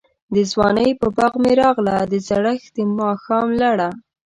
دځوانۍ په باغ می راغله، دزړښت دماښام لړه